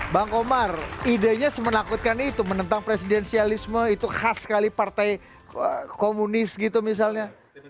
bang komar idenya semenakutkan itu menentang presidensialisme itu khas sekali partai komunis gitu misalnya